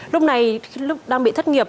lúc này lúc đang bị thất nghiệp